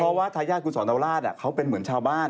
เพราะว่าทายาทคุณสอนราชเขาเป็นเหมือนชาวบ้าน